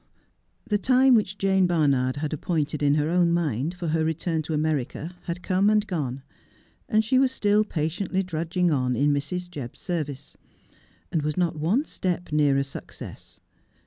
The time which Jane Barnard had appointed in her own mind for her return to America had come and gone, and she was still patiently drudging on in Mrs. Jebb's service, and was not one step nearer success.